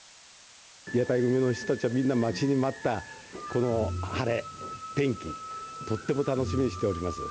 屋台上の人たちはみんな待ちに待ったこの晴れ天気とても楽しみにしております。